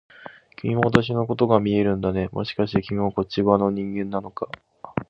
君も私のことが見えるんだね、もしかして君もこっち側の人間なのか？